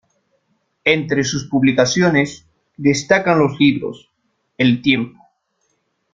Entre sus publicaciones, destacan los libros: "El tiempo.